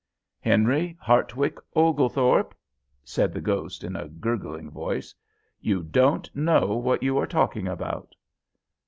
"Henry Hartwick Oglethorpe," said the ghost, in a gurgling voice, "you don't know what you are talking about."